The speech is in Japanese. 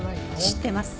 知ってます。